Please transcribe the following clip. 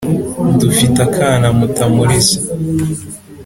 Dufite akana Mutamuriza